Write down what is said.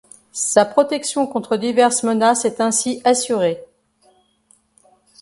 Sa protection contre diverses menaces est ainsi assurée.